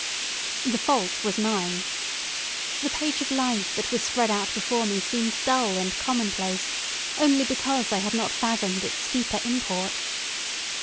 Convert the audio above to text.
The fault was mine. The page of life that was spread out before me seemed dull and commonplace only because I had not fathomed its deeper import.